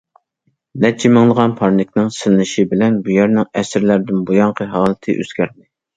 نەچچە مىڭلىغان پارنىكنىڭ سېلىنىشى بىلەن بۇ يەرنىڭ ئەسىرلەردىن بۇيانقى ھالىتى ئۆزگەردى.